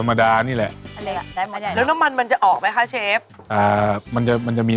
ไม่งั้นเดี๋ยว